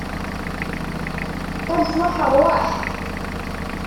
A leṣlaḥ, ṛwaḥ!